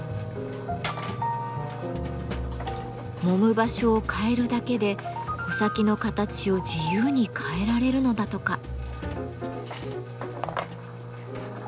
もむ場所を変えるだけで穂先の形を自由に変えられるのだとか。